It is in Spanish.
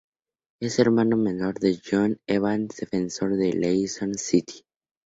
Es hermano menor de Jonny Evans, defensor del Leicester City.